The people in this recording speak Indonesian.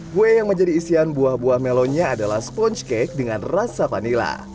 kue yang menjadi isian buah buah melonnya adalah sponge cake dengan rasa vanila